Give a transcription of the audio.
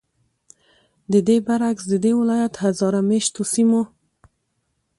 ددې برعکس، ددې ولایت هزاره میشتو سیمو